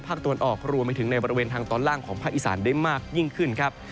ตะวันออกรวมไปถึงในบริเวณทางตอนล่างของภาคอีสานได้มากยิ่งขึ้นครับ